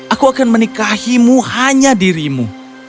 aku akan menikahimu hanya dirimu